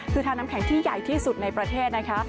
คือทานน้ำแข็งที่ใหญ่ที่สุดในประเทศนะคะ